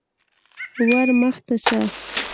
_ور مخته شه.